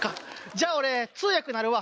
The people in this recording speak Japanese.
じゃあ俺通訳になるわ。